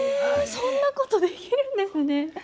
そんなことできるんですね。